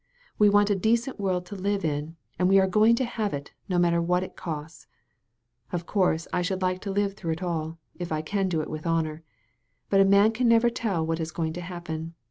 We Want a decent world to Uve in, and we are going to have it, no matter what it costs. Of course I should like to live through it all, if I can do it with honor. But a man never can tell what is going to happen.